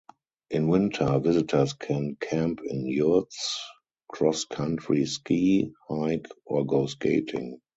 In winter, visitors can camp in yurts, cross-country ski, hike, or go skating.